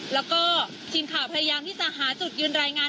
แล้วก็ทีมข่าวพยายามที่จะหาจุดยืนรายงาน